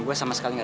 dengar baik baik ya